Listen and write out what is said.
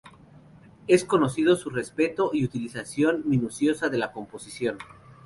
Es conocido su respeto y utilización minuciosa de la composición.